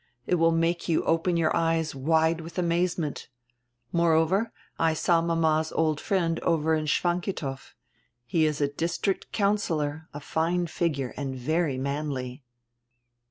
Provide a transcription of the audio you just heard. It will make you open your eyes wide widi amazement. More over, I saw mama's old friend over in Schwantikow. He is a district councillor, a fine figure, and very manly."